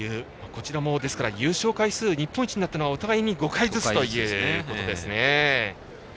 こちらも優勝回数日本一になったのはお互いに５回ずつということです。